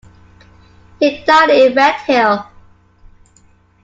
He died in Redhill.